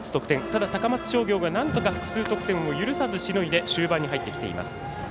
ただ、高松商業がなんとか複数得点を許さずしのいで終盤に入ってきています。